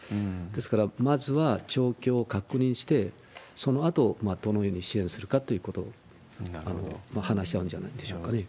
ですから、まずは状況を確認して、そのあとどのように支援するかということを話し合うんじゃないでしょうかね。